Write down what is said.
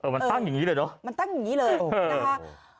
มันตั้งอย่างนี้เลยเนอะมันตั้งอย่างนี้เลยนะคะ